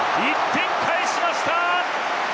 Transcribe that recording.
１点返しました！